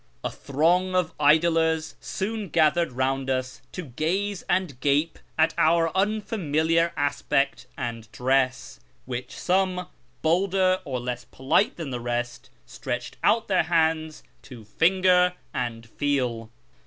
A throng of idlers soon gathered round us to gaze and gape at our unfamiliar aspect and dress, which some, bolder or less polite than the rest, stretched out their hands to finger and feel.